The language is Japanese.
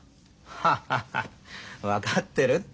ハッハッハッ分かってるって。